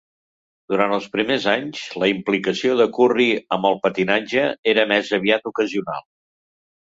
Durant els primers anys, la implicació de Curry amb el patinatge era més aviat ocasional.